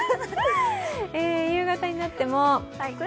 夕方になっても。